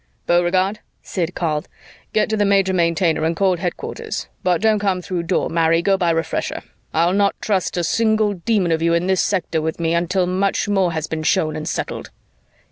"Beauregard!" Sid called. "Get to the Major Maintainer and call headquarters. But don't come through Door, marry go by Refresher. I'll not trust a single Demon of you in this sector with me until much more has been shown and settled."